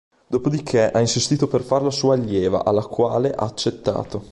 Dopo di che ha insistito per farla sua allieva, alla quale ha accettato.